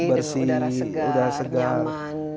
yang bersih dengan udara segar nyaman